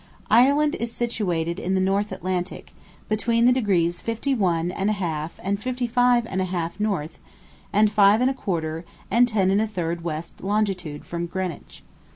Ireland is situated in the North Atlantic, between the degrees fifty one and a half and fifty five and a half North, and five and a quarter and ten and a third West longitude from Greenwich.